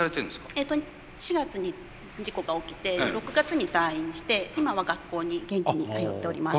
えっと４月に事故が起きて６月に退院して今は学校に元気に通っております。